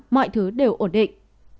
mọi thứ đều ổn định